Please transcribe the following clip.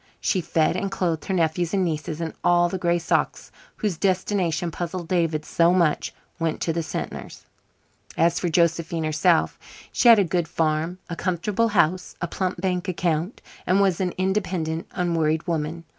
She fed and clothed her nephews and nieces, and all the gray socks whose destination puzzled David so much went to the Sentners. As for Josephine herself, she had a good farm, a comfortable house, a plump bank account, and was an independent, unworried woman.